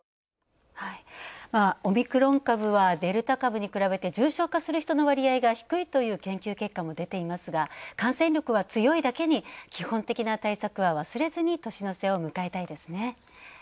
オミクロン株はデルタ株に比べて重症化する人の割合が低いという研究結果も出ていますが感染力は強いだけに基本的な対策は忘れずに年の瀬を迎えたいですね。